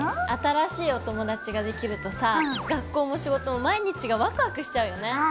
新しいお友達ができるとさぁ学校も仕事も毎日がワクワクしちゃうよね。